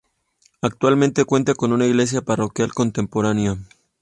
Actualmente cuenta con una iglesia parroquial contemporánea.